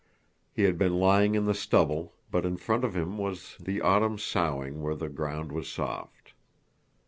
He had been lying in the stubble, but in front of him was the autumn sowing where the ground was soft.